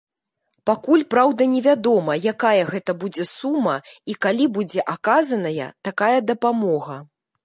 Пакуль, праўда, невядома, якая гэта будзе сума і калі будзе аказаная такая дапамога.